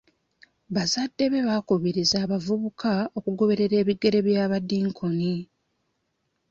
Bazadde be baakubiriza abavubuka okugoberera ebigere by'abadinkoni.